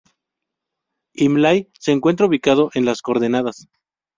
Imlay se encuentra ubicado en las coordenadas.